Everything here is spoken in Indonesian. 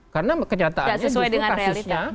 karena kenyataannya disukasinya